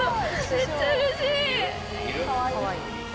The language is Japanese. めっちゃうれしい。